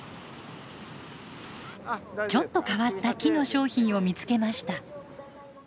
ちょっと変わった木の商品を見つけました。